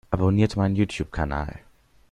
Abonniert meinen YouTube-Kanal!